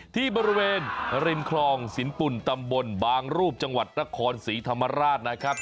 ที่บริเวณริมคลองสินปุ่นตำบลบางรูปจังหวัดนครศรีธรรมราชนะครับ